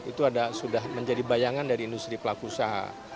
itu sudah menjadi bayangan dari industri pelaku usaha